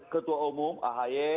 ketua umum ahi